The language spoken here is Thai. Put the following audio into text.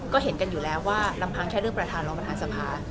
ก็เห็นกันอยู่แล้วว่าลำพังแค่เรื่องประธานรองประธานสภา